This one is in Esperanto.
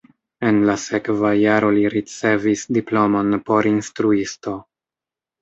En la sekva jaro li ricevis diplomon por instruisto.